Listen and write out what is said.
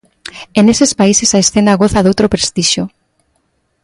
E neses países a escena goza doutro prestixio.